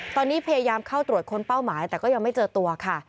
ตอนนี้พยายามเข้าตรวจค้นเป้าหมายแต่ก็ยังไม่เจอตัวค่ะ